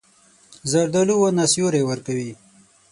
زردالو ونه سیوری ورکوي.